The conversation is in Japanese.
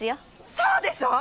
そうでしょう！